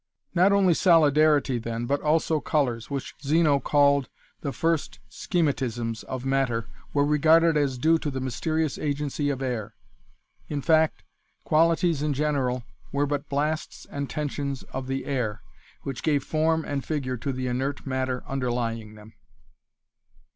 Not only solidarity then, but also colours, which Zeno called 'the first schematisms' of matter were regarded as due to the mysterious agency of air. In fact, qualities in general were but blasts and tensions of the air, which gave form and figure to the inert matter underlying them.